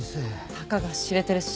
たかが知れてるし。